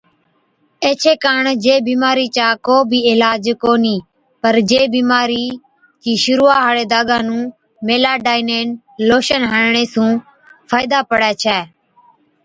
ايڇي ڪاڻ جي بِيمارِي چا ڪو بِي عِلاج ڪونهِي۔ پَر جي بِيمارِي چِي شرُوعا هاڙي داگا نُون Meladinine Lotion ميلاڊائِينن لوشن هڻڻي سُون فائِدا پڙَي ڇَي۔